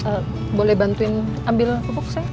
ambil buk saya